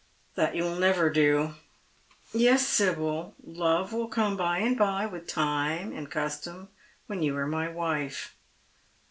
" That you will never do." " Yes, Sibyl, love mil come by and bye with time and custom, when you are my wife."